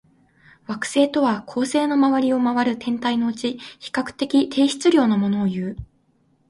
惑星とは、恒星の周りを回る天体のうち、比較的低質量のものをいう。